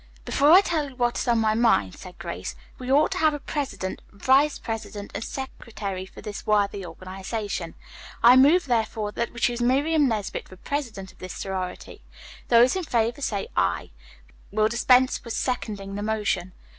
"Before I tell you what is on my mind," said Grace, "we ought to have a president, vice president and secretary for this worthy organization. I move therefore that we choose Miriam Nesbit for president of this sorority. Those in favor say 'aye.' We'll dispense with seconding the motion."